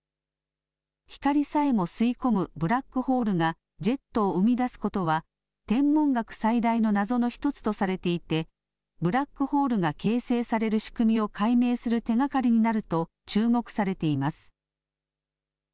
光さえも吸い込むブラックホールがジェットを生み出すことは天文学最大の謎の１つとされていてブラックホールが形成される仕組みを解明する手がかりになると注目されています。